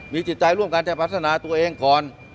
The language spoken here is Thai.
มีจิตใจร่วมกันจะพัฒนาตัวเองก่อน